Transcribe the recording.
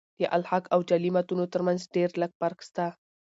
د الحاق او جعلي متونو ترمتځ ډېر لږ فرق سته.